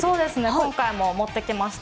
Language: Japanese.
今回も持ってきました。